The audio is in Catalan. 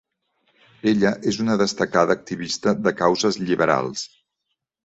Ella és una destacada activista de causes lliberals.